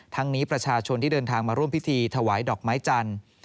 นี้ประชาชนที่เดินทางมาร่วมพิธีถวายดอกไม้จันทร์